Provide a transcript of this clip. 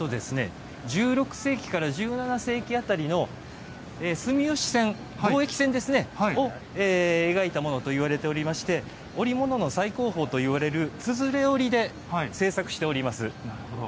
１６世紀から１７世紀辺りの住吉船、貿易船を描いたものといわれておりまして織物の最高峰といわれる綴織で制作しております。